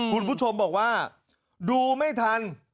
คุณผู้ชมบอกว่าดูไม่ทัน